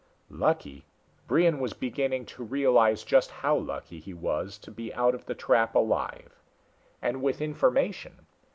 Lucky! Brion was beginning to realize just how lucky he was to be out of the trap alive. And with information.